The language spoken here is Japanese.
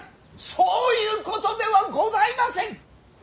そういうことではございません。